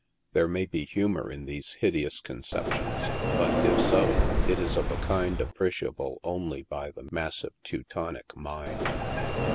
There may be humor in these hideous con ceptions, but if so, it is of a kind appreciable only by the massive Teutonic mind.